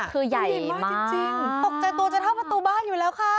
คือใหญ่มากจริงตกใจตัวจะเท่าประตูบ้านอยู่แล้วค่ะ